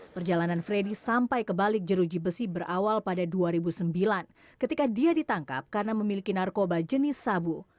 perjalanan freddy sampai ke balik jeruji besi berawal pada dua ribu sembilan ketika dia ditangkap karena memiliki narkoba jenis sabu